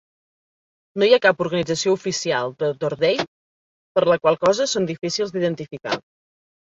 No hi ha cap organització oficial de Dor Dai, per la qual cosa són difícils d'identificar.